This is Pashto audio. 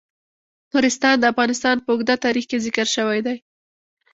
نورستان د افغانستان په اوږده تاریخ کې ذکر شوی دی.